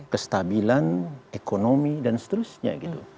kestabilan ekonomi dan seterusnya gitu